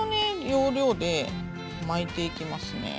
要領で巻いていきますね。